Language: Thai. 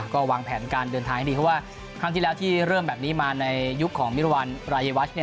ก็วางแผนการเดินทางให้ดีเพราะว่าครั้งที่แล้วที่เริ่มแบบนี้มาในยุคของมิรวรรณรายวัช